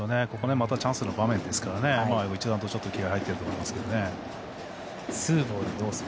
またチャンスの場面ですから一段と気合いが入っていると思います。